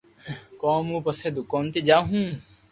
ڪوم مون پسي دوڪون تي جاوُ ھون